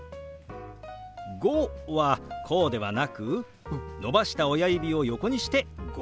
「５」はこうではなく伸ばした親指を横にして「５」。